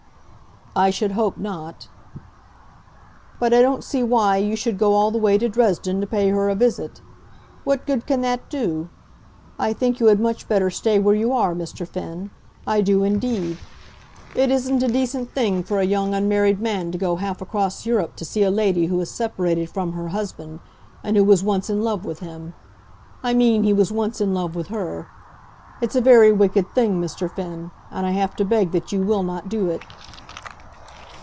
"I should hope not." "But I don't see why you should go all the way to Dresden to pay her a visit. What good can that do? I think you had much better stay where you are, Mr. Finn; I do indeed. It isn't a decent thing for a young unmarried man to go half across Europe to see a lady who is separated from her husband, and who was once in love with him; I mean he was once in love with her. It's a very wicked thing, Mr. Finn, and I have to beg that you will not do it."